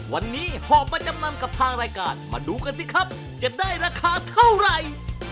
วันนี้หอบมาจำนำกับทางรายการมาดูกันสิครับจะได้ราคาเท่าไหร่